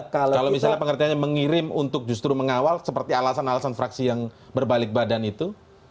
kalau misalnya pengertiannya mengirim untuk justru mengawal seperti alasan alasan fraksi yang berbalik badan itu